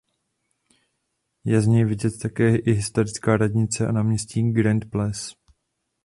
Je z něj vidět také i historická radnice a náměstí Grande Place.